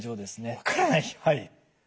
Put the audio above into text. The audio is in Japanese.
はい。